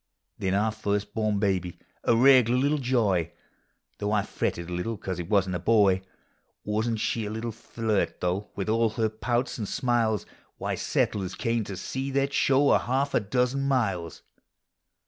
Then our first born baby — a regular little joy, Though I fretted a little because it wasn't a boy: ' Wa'n't she a little flirt, though, vfith all her pouts and smiles? Why, settlers come to see that show a half a dozen miles.